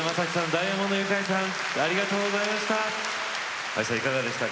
ダイアモンドユカイさんありがとうございました。